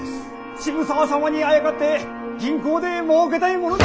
渋沢様にあやかって銀行でもうけたいものだ。